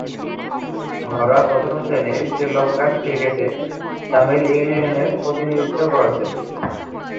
ঘরোয়া প্রথম-শ্রেণীর শ্রীলঙ্কান ক্রিকেটে তামিল ইউনিয়নের প্রতিনিধিত্ব করছেন।